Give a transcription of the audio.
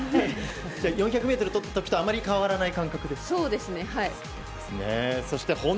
４００ｍとった時とあまり変わらない感覚ですか？